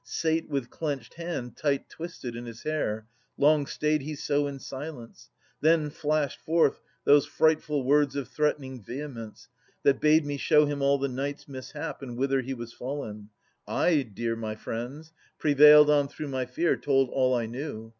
Sate with clenched hand tight twisted in his hair. Long stayed he so in silence. Then flashed forth Those frightful words of threatening vehemence, That bade me show him all the night's mishap. And whither he was fallen. I, dear my friends. Prevailed on through my fear, told all I knew.